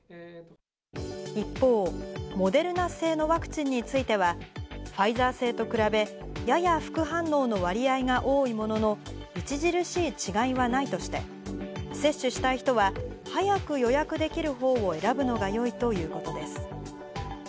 一方、モデルナ製のワクチンについては、ファイザー製と比べ、やや副反応の割合が多いものの、著しい違いはないとして、接種したい人は、早く予約できるほうを選ぶのがよいということです。